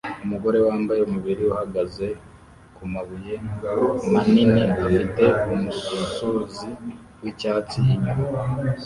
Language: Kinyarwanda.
Umugore wambaye umubiri uhagaze kumabuye manini afite umusozi wicyatsi inyuma